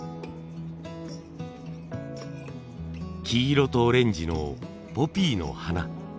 黄色とオレンジのポピーの花。